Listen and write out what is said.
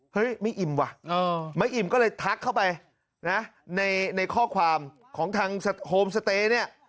เฮ้ยไม่อิ่มว่ะไม่อิ่มก็เลยทักเข้าไปนะในข้อความของทางโฮมสเตย์เนี่ย